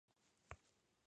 もういいですか